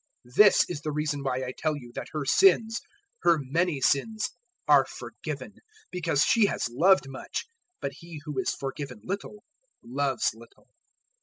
007:047 This is the reason why I tell you that her sins, her many sins, are forgiven because she has loved much; but he who is forgiven little, loves little."